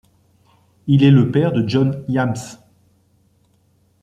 Il est le père de John Hyams.